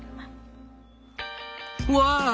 うわあ！